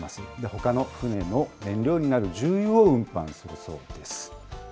ほかの船の燃料になる重油を運搬するそうです。